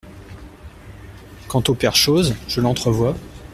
Quant au père Chose, je l'entrevois.